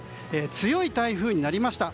強い台風になりました。